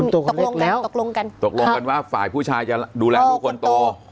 ตกลงกันว่าฝ่ายผู้ชายจะดูแลลูกคนโต